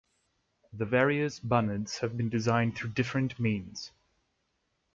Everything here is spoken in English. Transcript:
The various bunads have been designed through different means.